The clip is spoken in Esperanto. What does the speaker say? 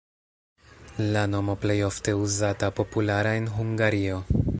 La nomo plej ofte uzata, populara en Hungario.